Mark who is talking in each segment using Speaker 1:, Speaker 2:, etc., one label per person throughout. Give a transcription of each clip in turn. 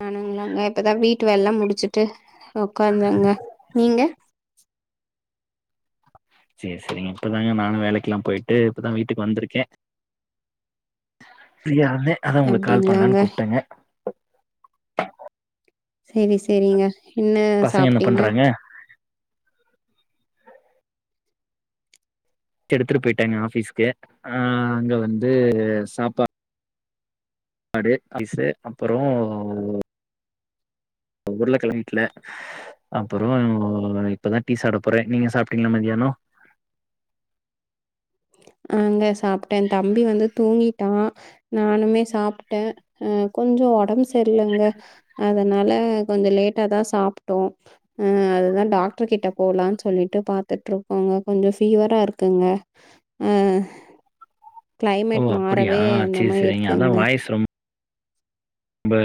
Speaker 1: நானுங்களாங்க இப்பதா வீட்டு வேல்லா முடிச்சுட்டு உக்காந்தங்க நீங்க
Speaker 2: சேர் செரிங்க இப்பதாங்க நானு வேலைக்கெல்லா போய்ட்டு இப்பதா வீட்டுக்கு வந்திருக்கே ஃப்ரியா அதே அதா உங்களுக்கு கால்
Speaker 1: அப்டிங்களாங்க
Speaker 2: பண்ணலான் கூப்ட்டங்க
Speaker 1: சேரி சேரிங்க என்ன
Speaker 2: பசங்க என்ன
Speaker 1: சாப்ட்டீங்க
Speaker 2: பண்றாங்க எடுத்துட்டு போயிட்டங்க ஆஃபீஸ்க்கு ஆஹ் அங்க வந்து சாப் பாடு [inaudible] அப்பறோ
Speaker 1: [unintelligible]
Speaker 2: உருளக்கெழங்கு வீட்ல அப்பறோ இப்பதா டீ சாப்ட போறே நீங்க சாப்ட்டீங்களா மதியானோ
Speaker 1: ஆஹ்ங்க சாப்ட்டே தம்பி வந்து தூங்கி டோ நானுமே சாப்ட்டே அ கொஞ்சோ ஒடம்பு செர்லங்க அதனால கொஞ்ச லேட்டா தா சாப்ட்டோ அ அதுதா டாக்ட்ரு கிட்ட போலான் சொல்லிட்டு பாத்துட்ருக்கோங்க கொஞ்சோ ஃபீவரா இருக்குங்க ஏஹ்
Speaker 2: ஓ
Speaker 1: கிளைமேட்
Speaker 2: அப்படியா
Speaker 1: மாறவே அந்த
Speaker 2: சேரி
Speaker 1: மாரி
Speaker 2: சேரிங்க
Speaker 1: இருக்குங்க
Speaker 2: ப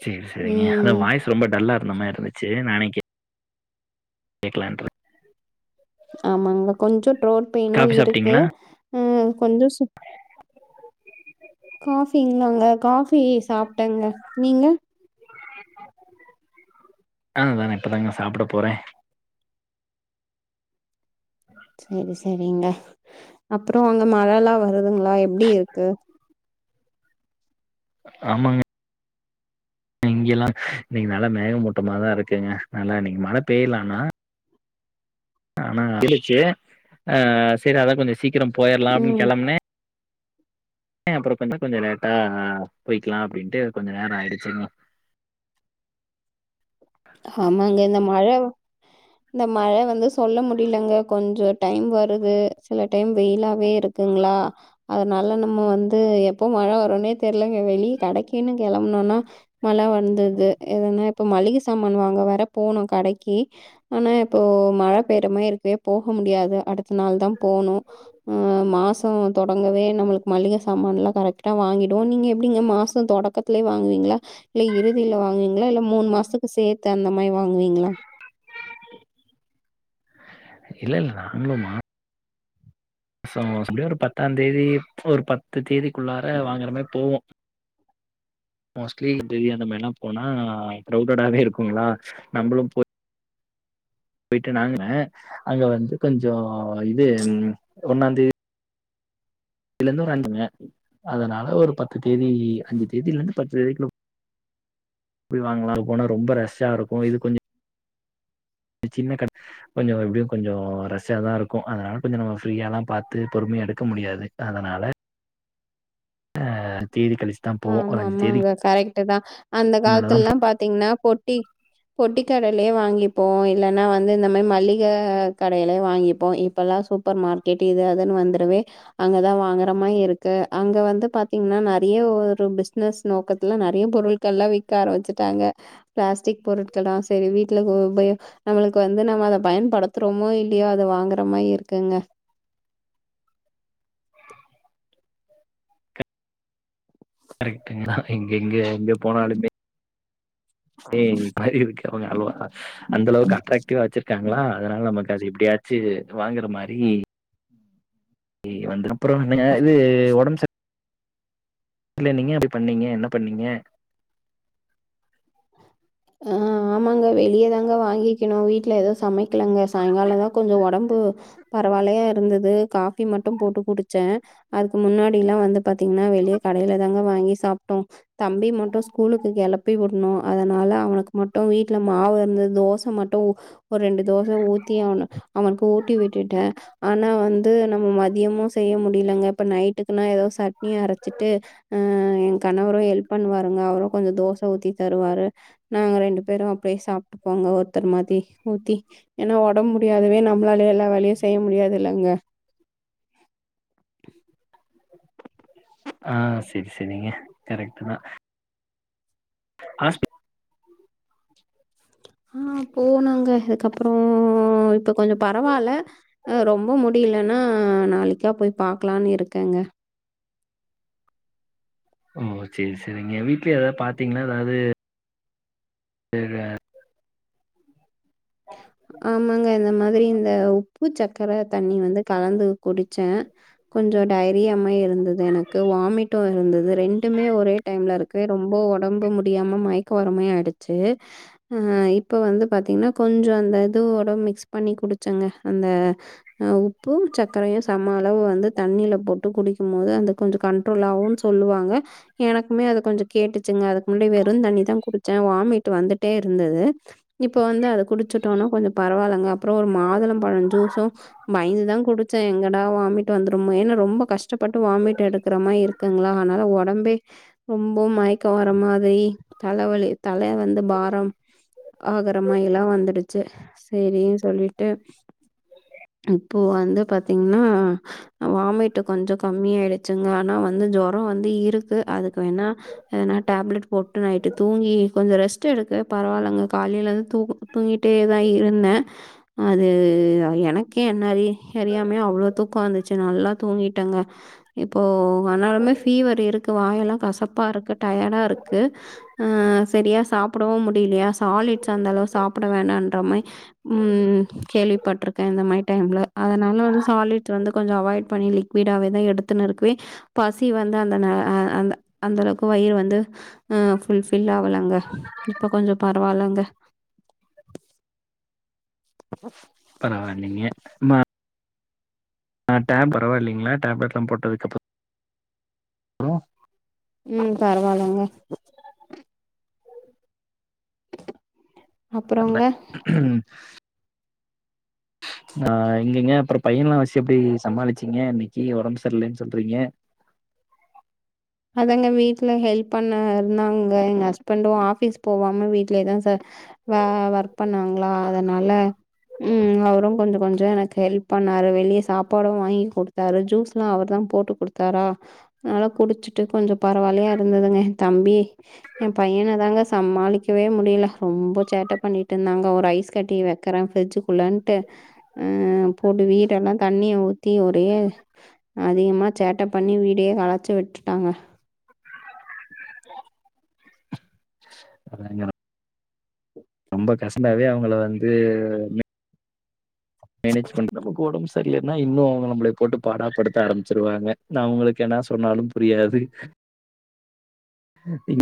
Speaker 2: சேர் செரிங்க
Speaker 1: ம்
Speaker 2: அதன் வாய்ஸ் ரொம்ப டல்லா ருந்த மார்ருந்துச்சு நானே கே கேக்கலான்ட்டுருக்
Speaker 1: ஆமாங்க கொஞ்சோ ட்ரோட் பெயினு
Speaker 2: காபி
Speaker 1: இருக்கு
Speaker 2: சாப்ட்டீங்களா
Speaker 1: அஹ் கொஞ்ச சுக் காஃபிங்ளாங்க காஃப் பி சாப்ட்டங்க நீங்க
Speaker 2: அ நானு இப்பதாங்க சாப்ட போறே
Speaker 1: சேரி சேரிங்க அப்பறோ அங்க மழல்லா வ வருதுங்களா எப்டி இருக்கு
Speaker 2: ஆமாங்க இங்கெல்லா இன்னிக்கு நல்லா மேகமூட்டமாதா இருக்குங்க நல்லா இன்னிக்கு மழ பேய்ல ஆனா ஆனா [inaudible] ஆஹ் சேரி அதா கொஞ்சோ சீக்கிரம் போயிரலா அப்டின்னு
Speaker 1: ம்
Speaker 2: கெளம்புனே ஏ அப்புறப்ப இன்னு கொஞ்சோ லேட்டா போய்க்கலா அப்படின்ட்டு கொஞ்ச நேரோ ஆயிடுச்சுங்க
Speaker 1: ஆமாங்க இந்த மழ வ இந்த மழ வந்து சொல்ல முடியலங்க கொஞ்சொ டைம் வருது சில டைம் வெயிலாவே இருக்குங்களா அதனால நம்ம வந்து எப்போ மழ வருனே தெரியலங்க வெளியே கடைக்குன்னு கெளம்புனோனா மழ வந்தது எதனா இப்போ மல்லிக சாமான் வாங்க வேற போணு கடைக்கு ஆனா இப்போ மழ பெய்ற மாரி இருக்குவே போக முடியாது அடுத்த நாள்தா போனு ஆஹ் மாசம் தொடங்கவே நம்மளுக்கு மளிக சாமான்லா கரெக்டா வாங்கிடுவோ நீங்க எப்டிங்க மாசொ தொடக்கத்துலயே வாங்குவீங்களா இல்ல இறுதியில வாங்குவீங்களா இல்ல மூணு மாசத்து க் சேத்து அந்த மாரி வாங்குவீங்களா
Speaker 2: இல்ல இல்ல நாங்களு மா மாச மாசம் முடியதோட ஒரு பத்தாந் தேதி ஒரு பத்து தேதி குள்ளார வாங்கற மாரி போவோ மோஸ்ட்லி [unintelligible] அந்த மாரில்லா போனா கிரவுடட்டாவே இருக்குங்களா நம்மளும் போய் யிட்டு நாங்குன அங்க வந்து கொஞ்சோ இது ஒன்னாந் தேதி ல இருந்து ஒரு அஞ்சுங்க அதனால ஒரு பத்து தேதி அஞ்சு தேதியில இருந்து பத்து தேதிக்குள்ள போய் வாங்கலா இப்போ போனா ரொம்ப ரஸ் ஜா இருக்கு இது கொஞ்சொ சின்ன கட கொஞ்சொ எப்படியு கொஞ்சொ ரஷ்ஷாதா இருக்கு அதனால கொஞ்சொ நம்ம ஃப்ரீயால்லா பாத்து பொறுமையா எடுக்க முடியாது அதனால ஆஹ்
Speaker 1: ஆமா ஆமாங்க கரெக்ட்தா அந்த
Speaker 2: மேலதா
Speaker 1: காலத்துலல்லா பாத்தீங்கன்னா பொட்டி பொட்டி கடயிலயே வாங்கிப்போ இல்லன்னா வந்து இந்த மார் மல்லிக கடையிலயே வாங்கிப்போ இப்பல்லா சூப்பர் மார்க்கெட் இது அதுன்னு வந்துருவே அங்கதா வாங்குற மாரி இருக்கு அங்க வந்து பாத்திங்கனா நெறைய ஒரு ஒரு பிசினஸ் நோக்கத்துல நெறைய பொருட்கள்ல்லா விக்க ஆரம்பிச்சுட்டாங்க பிளாஸ்டிக் பொருட்கள்ளா சரி வீட்டுல உ உபயோ நம்மளுக்கு வந்து நம்ம அத பயன்படுத்துறோமோ இல்லயோ அத வாங்குற மாய் இருக்குங்க
Speaker 2: கரெக்ட்ங்கா எங்க எங்க எங்க போனாலுமே ஏ [unintelligible] [inaudible] அந்தளவுக்கு அட்ராக்டிவா வச்சிருக்காங் ங்ளா அதனால நமக்கு அது எப்படியாச்சு வாங்குற மாரி வந்துரு அப்புறோ என்னங்க இது ஒடம்பு சரி இல்ல நீங்க அப்படி பண்ணீங்க என்ன பண்ணீங்க
Speaker 1: ஆஹ் ஆமாங்க வெளிய தாங்க வாங்கிக்கணு வீட்ல எது சமைக்கலங்க சாயங்காலந்தா கொஞ்சோ ஒடம்பு பரவாயில்லையா இருந்தது காஃபி மட்டும் போட்டு குடிச்ச அதுக்கு முன்னாடி எல்லா வந்து பாத்தீங்கன்னா வெளிய கடைல தாங்க வாங்கி சாப்பிட்டோ தம்பி மட்டு ஸ்கூலுக்கு கிளப்பி விடணு அதனால அவனுக்கு மட்டு வீட்ல மாவு இருந்தது தோச மட்டு ஒரு ரெண்டு தோச ஊத்தி அவ அவனுக்கு ஊட்டி விட்டுட்ட ஆனா வந்து நம்ம மதியமு செய்ய முடியலங்க இப்ப நைட்டுக்குன்னா எதோ சட்னி அரச்சிட்டு அஹ் என் கணவரு ஹெல்ப் பண்ணுவாருங்க அவரு கொஞ்சோ தோச ஊத்தி தருவாரு நாங்க ரெண்டு பேரு அப்படியே சாப்பிட்டு போங்க ஒருத்தர் மாரி ஊத்தி ஏனா ஒடம்பு முடியாதவே நம்மளாலே எல்லா வேலையு செய்ய முடியாது இல்லங்க
Speaker 2: ஆஹ் சரி சரிங்க கரெக்ட்தா ஆ
Speaker 1: ஆஹ் போனோங்க அதுக்கப்புறோ இப்ப கொஞ்சோ பரவால்ல ரொம்ப முடியலனா நாளைக்கா போய் பாக்கலானு இருக்கேங்க
Speaker 2: ஓ செரி செரிங்க வீட்ல எதாவது பாத்தீங்கன்னா எதாவது
Speaker 1: ஆமாங்க இந்த மாதிரி இந்த உப்புச்சக்கர தண்ணி வந்து கலந்து குடிச்ச கொஞ்சோ டையரியாமாரி இருந்தது எனக்கு வாமிட் இருந்தது ரெண்டுமே ஒரே டைம்ல இருக்கு ரொம்ப ஒடம்பு முடியாம மயக்கோ வர்ரமாரி ஆயிடுச்சு உம் இப்ப வந்து பாத்தீங்கன்னா கொஞ்சோ அந்த எதாது ஓட மிக்ஸ் பண்ணி குடிச்சங்க அந்த உப்பு சக்ரையு சம அளவு வந்து தண்ணியில போட்டு குடிக்கும்போது அந்த கொஞ்சோ கண்ட்ரோல் ஆகுன்னு சொல்லுவாங்க எனக்குமே அத கொஞ்சோ கேட்டுச்சுங்க அதுக்கு முன்னாடி வெறுந்தண்ணிதா குடிச்ச வாமிட் வந்துட்டே இருந்தது இப்போ வந்து அத குடிச்சு ஜூஸும் பயந்து தான் குடிச்சேன். எங்கடா வாமிட் வந்துருமோ ஏனா ரொம்ப கஷ்டப்பட்டு வாமிட் எடுக்கிற மாயி இருக்குங்ளா அதனால ஒடம்பே ரொம்ப மயக்கோ வர மாரி தலைவலி தல வந்து பாரம் ஆகுற மாயி எல்லா வந்துடுச்சு ச்ச சரினு சொல்லிட்டு இப்போ வந்து பாத்தீங்கன்னா வாமிட் கொஞ்ச கம்மியாயிடுச்சுங்க ஆனா வந்து ஜொரம் வந்து இருக்கு அதுக்கு வேணா ஏன்னா டேப்லெட் போட்டு நைட்டு தூங்கி கொஞ்ச ரெஸ்ட் எடுக்க பரவாலங்க காலையில இருந்து தூங்கிட்டு டே தான் இருந்தேன் அது எனக்கே என்ன அறி அறியாமே அவ்ளோ தூக்கம் வந்துச்சு நல்லா தூங்கிட்டேங்க இப்போ ஆனாலுமே ஃபீவர் இருக்கு வாயெல்லாம் கசப்பா இருக்கு டயர்டா இருக்கு ம்ம் சரியா சாப்பிடவும் முடியலையா சாலிட்ஸ் அந்தளவு சா வேணான்ற மாயி உம் கேள்விப்பட்ருக்கேன் இந்த மாதிரி டைம்ல அதனால வந்து சாலிட் வந்து கொஞ்ச அவாய்ட் பண்ணி லிக்வீடாவே தான் எடுத்துன்னு இருக்கவே பசி வந்து அந்த ஆ, ஆ அந்த அளவுக்கு வயிற வந்து ஹ ஃபுல் ஃபில் ஆவளங்க இப்ப கொஞ்ச பரவாலங்க [inaudible]
Speaker 2: பரவாயில்லிங்க மா ஆ [unintelligible] பரவாயில்லைங்களா டேப்லட்ல்லாம் போட்டதுக்கப்பறம் உ
Speaker 1: உம் பரவாலங்க
Speaker 2: வர்ல
Speaker 1: அப்புறங்க,
Speaker 2: ஆஹ் எங்கங்க அப்புறம் பையன் வசி எப்படி சமாளிச்சீங்க இன்னைக்கி ஒடம்பு சரிலேன்னு சொல்றீங்க
Speaker 1: அதங்க வீட்டுல ஹெல்ப் பண்ண இருந்தாங்க எங்க ஹஸ்பண்டும் ஆபீஸ் போவாம வீட்லேதான் சார் ஒர்க் பண்வாங்களா அதனால உம் அவரும் கொஞ்ச கொஞ்ச எனக்கு ஹெல்ப் பண்ணாரு வெளியே சாப்பாடும் வாங்கி குடுத்தாரு ஜூஸ்லாம் அவரு தான் போட்டு குடுத்தாரா அதனால குடிச்சு விட்டு கொஞ்ச பரவால்லையா இருந்ததுங்க எதம்பி என் பையன தாங்க சமாளிக்கவே முடியல ரொம்ப சேட்டை பண்ணிட்டு இருந்தாங்க ஒரு ஐஸ் கட்டி வைக்கறேன் ஃபரிட்ஜுக்குள்ளேன்ட்டு போட்டு வீடெல்லாம் தண்ணிய ஊத்தி ஒரே அதிகமா சேட்டை பண்ணி வீடையே களைச்சி விட்டு டாங்க
Speaker 2: [unintelligible] ரொம்ப கஷன்டாவே அவங்கள வந்து மேனேஜ் பண்றளவுக்கு ஒடம்பு அப்டியென்ன இல்ல அவங்க நம்மள போட்டு பாடாப்படுத்த ஆரம்பிச்சிருவாங்க நான் அவங்களுக்கு என்ன சொன்னாலும் புரியாது [unintelligible]